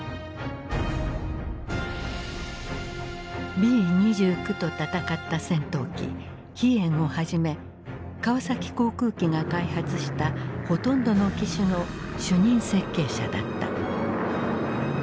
Ｂ２９と戦った戦闘機飛燕をはじめ川崎航空機が開発したほとんどの機種の主任設計者だった。